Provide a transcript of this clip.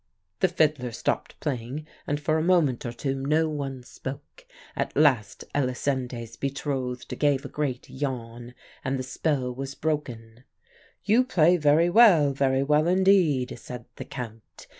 "The fiddler stopped playing, and for a moment or two no one spoke. At last Elisinde's betrothed gave a great yawn, and the spell was broken. "'You play very well very well, indeed,' said the Count.